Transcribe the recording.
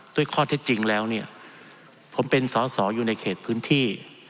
ด้วยข้อเท็จจริงแล้วเนี่ยผมเป็นสอสออยู่ในเขตพื้นที่